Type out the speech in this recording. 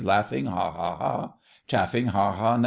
Laughing, Ha! ha! Chaffing, Ha! ha!